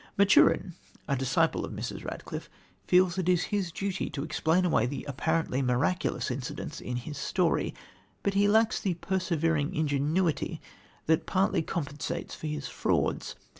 Maturin, a disciple of Mrs. Radcliffe, feels it his duty to explain away the apparently miraculous incidents in his story, but he lacks the persevering ingenuity that partly compensates for her frauds.